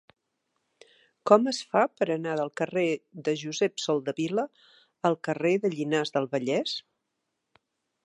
Com es fa per anar del carrer de Josep Soldevila al carrer de Llinars del Vallès?